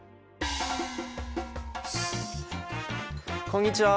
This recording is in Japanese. こんにちは！